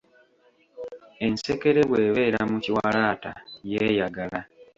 Ensekere bw’ebeera mu kiwalaata yeeyagala.